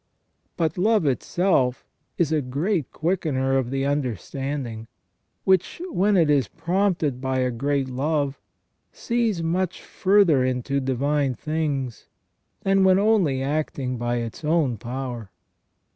But love itself is a great quickener of the under standing, which, when it is prompted by a great love, sees much further into divine things than when only acting by its own power.